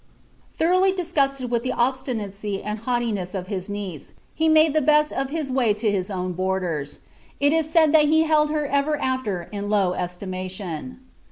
Thoroughly disgusted with the obstinacy and haugbtiucM of his niece, he made the bMt of hia way to his own borders, li i* snd that he held her ever after in low esiimation.